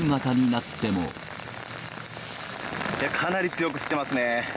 かなり強く降ってますね。